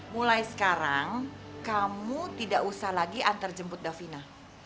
mulai sekarang kamu tidak usah lagi antar jemput daphina